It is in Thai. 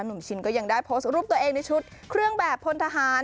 ชินก็ยังได้โพสต์รูปตัวเองในชุดเครื่องแบบพลทหาร